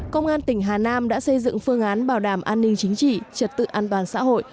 công an tỉnh hà nam đã xây dựng phương án bảo đảm an ninh chính trị trật tự an toàn xã hội